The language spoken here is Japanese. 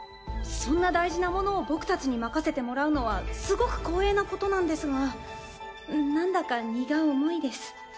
そんな大事なものを僕たちに任せてもらうのはすごく光栄なことなんですがなんだか荷が重いです。